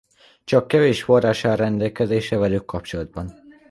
Csak kevés forrás áll rendelkezésre velük kapcsolatban.